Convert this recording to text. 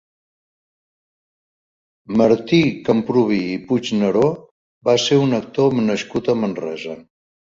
Martí Camprubí i Puigneró va ser un actor nascut a Manresa.